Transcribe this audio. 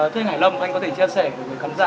thưa anh hải lâm anh có thể chia sẻ với khán giả